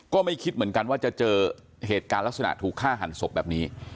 ก็ไม่คิดเหมือนกันว่าจะเจอเหตุการณ์ลักษณะถูกฆ่าหันศพแบบนี้